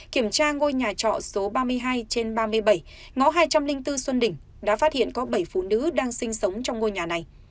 kiểm tra ngôi nhà trọ số ba mươi hai trên ba mươi bảy ngõ hai trăm linh bốn xuân đỉnh đã phát hiện có bảy phụ nữ đang sinh sống trong ngôi nhà này